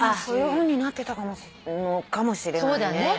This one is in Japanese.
そういうふうになってたのかもしれないね。